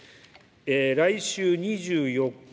来週２４日